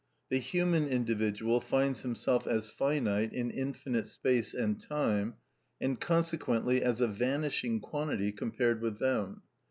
The human individual finds himself as finite in infinite space and time, and consequently as a vanishing quantity compared with them.